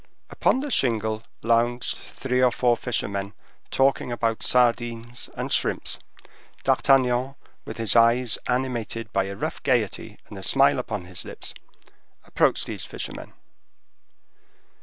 Upon the shingle lounged three or four fishermen talking about sardines and shrimps. D'Artagnan, with his eyes animated by a rough gayety, and a smile upon his lips, approached these fishermen.